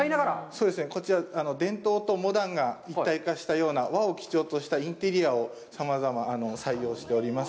そうですね、こちら、伝統とモダンが一体化したような、和を基調としたインテリアをさまざま採用しております。